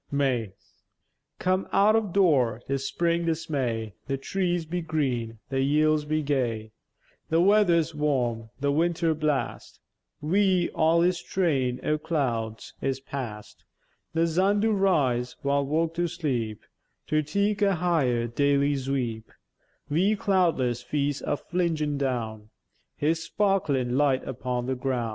MAY Come out o' door, 'tis Spring! 'tis May! The trees be green, the yields be gay; The weather's warm, the winter blast, Wi' all his traïn o' clouds, is past; The zun do rise while vo'k do sleep, To teäke a higher daily zweep, Wi' cloudless feäce a flingèn down His sparklèn light upon the groun'.